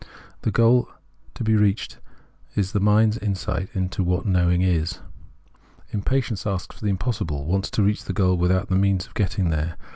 The goal to be reached is the mind's insight into what knowing is. Impatience asks for the impossible, wants to reach the goal without the means of getting there.